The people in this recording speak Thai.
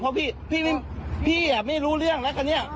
เพราะพี่พี่อ่ะไม่รู้เรื่องแล้วกันเนี่ย